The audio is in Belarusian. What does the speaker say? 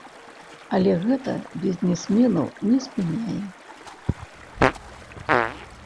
Але гэта бізнесменаў не спыняе.